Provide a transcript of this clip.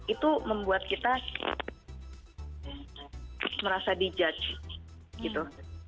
itu membuat kita merasa di judge gitu